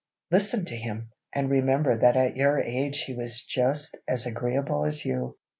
Listen to him, and remember that at your age he was just as agreeable as you.